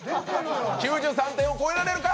９３点を超えられるか！